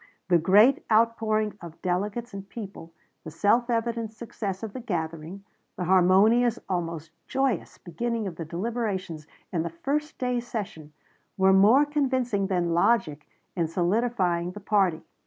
The great outpouring of delegates and people, the self evident success of the gathering, the harmonious, almost joyous, beginning of the deliberations in the first day's session, were more convincing than logic in solidifying the party.